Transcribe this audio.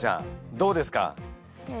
どうですか？